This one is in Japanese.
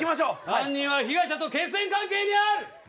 犯人は被害者と血縁関係にある！